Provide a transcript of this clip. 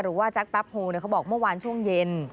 หรือว่าจั๊กปั๊บโหว์เขาบอกเมื่อวานช่วงเย็น